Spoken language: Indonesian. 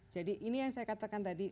jadi ini yang saya katakan tadi